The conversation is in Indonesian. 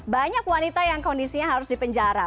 banyak wanita yang kondisinya harus dipenjara